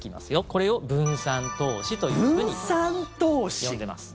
これを分散投資というふうに呼んでます。